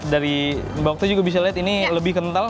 dari bakte juga bisa lihat ini lebih kental